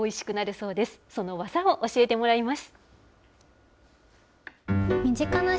その技を教えてもらいます。